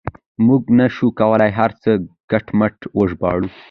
موږ نه شو کولای هر څه کټ مټ وژباړو.